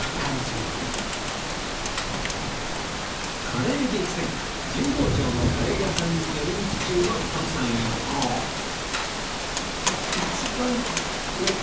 カレー激戦区神保町のカレー屋さんに寄り道中の徳さん一行へえ！